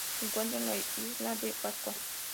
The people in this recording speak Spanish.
Se encuentra en la Isla de Pascua.